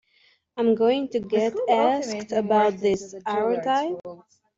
I'm going to get asked about this, aren't I?